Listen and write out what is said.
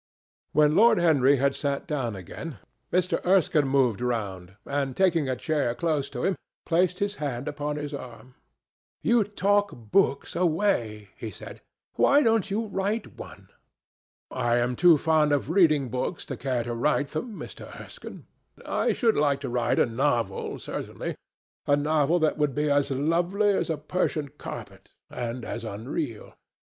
When Lord Henry had sat down again, Mr. Erskine moved round, and taking a chair close to him, placed his hand upon his arm. "You talk books away," he said; "why don't you write one?" "I am too fond of reading books to care to write them, Mr. Erskine. I should like to write a novel certainly, a novel that would be as lovely as a Persian carpet and as unreal.